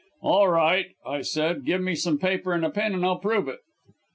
"'All right,' I said, 'give me some paper and a pen, and I'll prove it.'